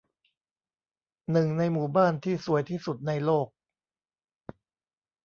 หนึ่งในหมู่บ้านที่สวยที่สุดในโลก